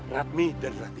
ratmi dan ratini